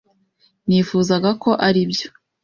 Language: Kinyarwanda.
Nifuzaga ko aribyo.